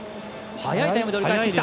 速いタイムで折り返してきた。